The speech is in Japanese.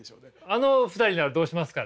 あの２人ならどうしますかね？